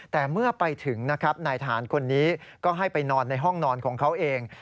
แต่เมื่อไปถึงนะครับนายทหารคนนี้ก็ให้ไปนอนในห้องนอนของเขาเอง